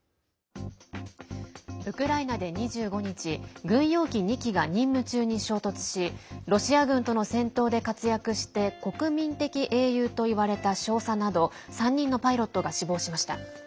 ウクライナで２５日軍用機２機が任務中に衝突しロシア軍との戦闘で活躍して国民的英雄といわれた少佐など３人のパイロットが死亡しました。